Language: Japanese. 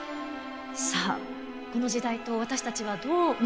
さあこの時代と私たちはどう向き合えばいいのか。